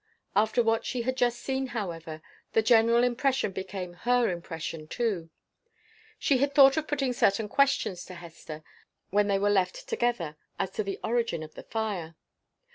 After what she had just seen, however, the general impression became her impression too. She had thought of putting certain questions to Hester, when they were left together, as to the origin of the fire.